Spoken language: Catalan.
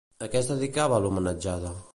A què es dedicava l'homenatjada?